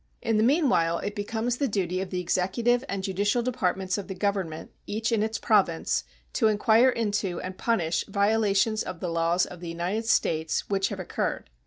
In the meanwhile it becomes the duty of the executive and judicial departments of the Government, each in its province, to inquire into and punish violations of the laws of the United States which have occurred.